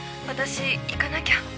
私行かなきゃ。